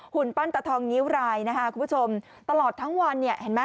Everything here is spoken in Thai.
ปั้นตะทองนิ้วรายนะคะคุณผู้ชมตลอดทั้งวันเนี่ยเห็นไหม